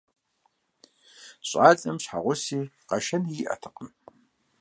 Щӏалэм щхьэгъуси къэшэни иӀэтэкъым.